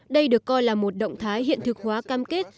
đây được coi là một động thái hiện thực hóa cam kết